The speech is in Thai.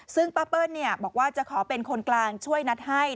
ซึ่งป้าเปิ้ลบอกว่าจะขอเป็นคนกลางช่วยนัดให้